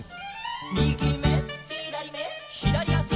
「みぎめ」「ひだりめ」「ひだりあし」